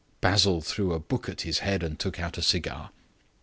Basil threw a book at his head and took out a cigar.